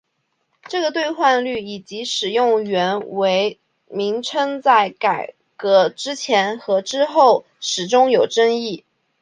这个兑换率以及使用元为名称在改革之前和之后始终有争议。